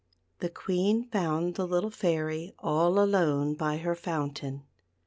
The Queen found the little Fairy all alone by her fountain.